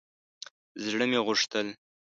زړه مې غوښتل